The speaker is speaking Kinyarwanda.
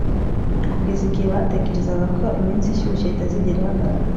kugeza igihe batekereza ko iminsi ishyushye itazigera ihagarara;